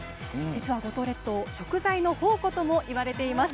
実は五島列島食材の宝庫ともいわれています。